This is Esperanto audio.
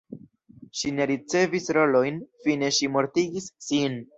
Ŝi ne ricevis rolojn, fine ŝi mortigis sin.